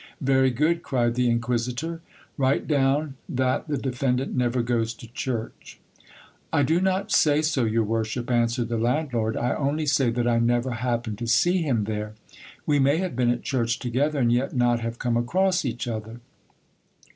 Very good ! cried the inquisitor. Write down that the defendant never goes to church. I do not say so, your worship, answered the landlord, I only say that I never happened to see him there. We may have been at church together and yet not have come across each other.